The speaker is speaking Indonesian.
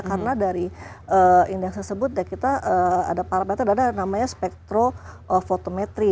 karena dari indeks tersebut kita ada parameter dan ada namanya spektrofotometri